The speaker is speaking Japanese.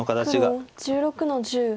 黒１６の十。